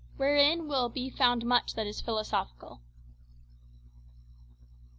WHEREIN WILL BE FOUND MUCH THAT IS PHILOSOPHICAL.